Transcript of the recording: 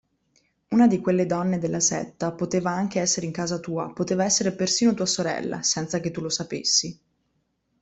Una di quelle donne della setta, poteva anche essere in casa tua, poteva essere persino tua sorella senza che tu lo sapessi.